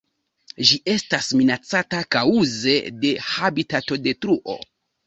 Ĝi estas minacata kaŭze de habitatodetruo.